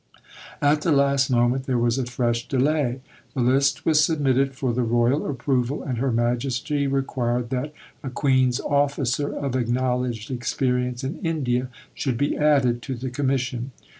At the last moment there was a fresh delay. The list was submitted for the royal approval, and Her Majesty required that "a Queen's officer of acknowledged experience in India" should be added to the Commission.